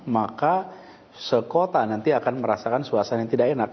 maka sekota nanti akan merasakan suasana yang tidak enak